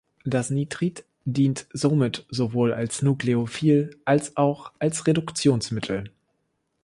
Das Nitrit dient somit sowohl als Nukleophil als auch als Reduktionsmittel.